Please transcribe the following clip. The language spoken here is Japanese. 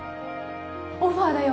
オファーだよ。